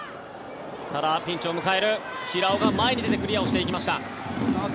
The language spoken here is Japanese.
ただ、ピンチを迎える平尾が前に出てクリアをしました。